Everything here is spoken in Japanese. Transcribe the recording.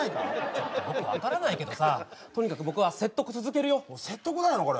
ちょっとよく分からないけどさとにかく僕は説得続けるよ説得なのか